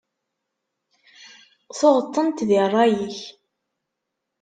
Tuɣeḍ-tent di rray-ik.